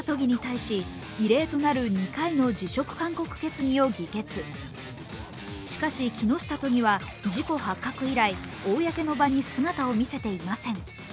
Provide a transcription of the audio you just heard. しかし、木下都議は事故発覚以来、公の場に姿を見せていません。